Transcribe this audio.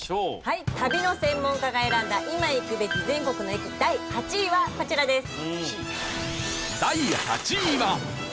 旅の専門家が選んだ今行くべき全国の駅第８位はこちらです。